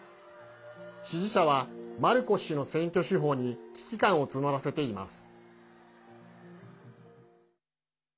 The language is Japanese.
支持者はマルコス氏の選挙手法に危機感を募らせています。